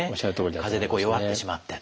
かぜで弱ってしまってと。